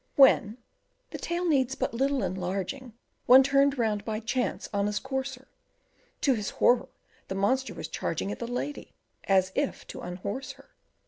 When the tale needs but little enlarging One turned round by chance on his courser; To his horror, the monster was charging At the lady, as if to unhorse her.